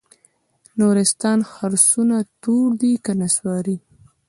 د نورستان خرسونه تور دي که نسواري؟